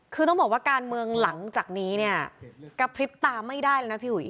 คือต้องบอกว่าการเมืองหลังจากนี้เนี่ยกระพริบตาไม่ได้แล้วนะพี่อุ๋ย